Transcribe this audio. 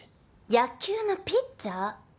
野球のピッチャー。